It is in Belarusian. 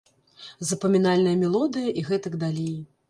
Запамінальная мелодыя і гэтак далей.